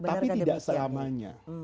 tapi tidak selamanya